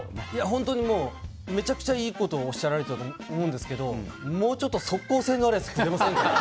本当にむちゃくちゃいいことをおっしゃられてると思うんですけどもうちょっと即効性のあるやつ